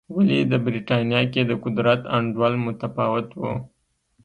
ولې د برېټانیا کې د قدرت انډول متفاوت و.